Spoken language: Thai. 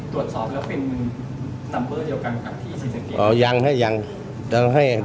ตรวจสอบแล้วเป็นนัมเบอร์เดียวกันครับที่ศรีสะเกด